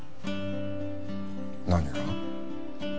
何が？